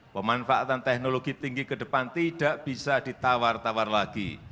pemanfaatan teknologi tinggi ke depan tidak bisa ditawar tawar lagi